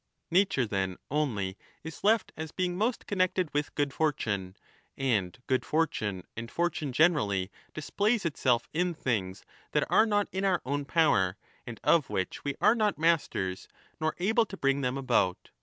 Nature, then, only is left as being most connected with good fortune. And good fortune and fortune generally displays itself in things that are not in our own power, and of which we are not masters nor able to bring them about.